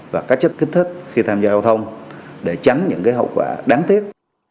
và các chất kinh thức khi tham gia giao thông để tránh những hậu quả đáng tiếc